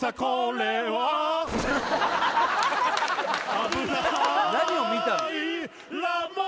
あ何を見たの？